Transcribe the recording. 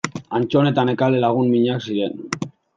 Antton eta Nekane lagun minak ziren.